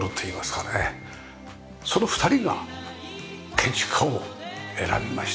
その２人が建築家を選びました。